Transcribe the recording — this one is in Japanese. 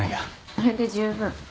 それで十分。